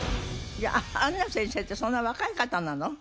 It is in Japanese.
杏奈先生ってそんな若い方なの？